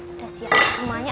udah siap semuanya